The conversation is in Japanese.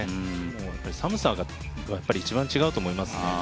寒さが一番違うと思いますね。